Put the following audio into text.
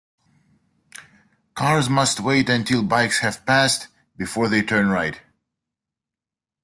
Cars must wait until bikes have passed, before they turn right.